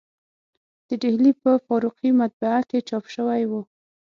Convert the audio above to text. په ډهلي په فاروقي مطبعه کې چاپ شوی و.